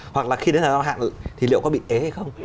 hoặc là khi đến thời gian tháo hạn thì liệu có bị ế hay không